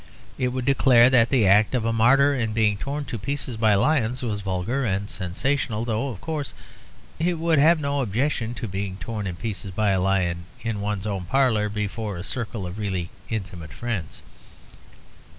It would declare that the act of a martyr in being torn in pieces by lions was vulgar and sensational, though, of course, it would have no objection to being torn in pieces by a lion in one's own parlour before a circle of really intimate friends.